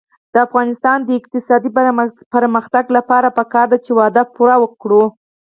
د افغانستان د اقتصادي پرمختګ لپاره پکار ده چې وعده پوره کړو.